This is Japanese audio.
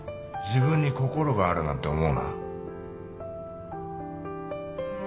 自分に心があるなんて思うな